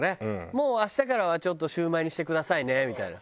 「もう明日からはちょっとシュウマイにしてくださいね」みたいな。